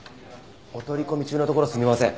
お取り込み中のところすみません。